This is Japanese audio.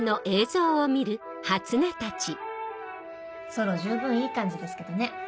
ソロ十分いい感じですけどね。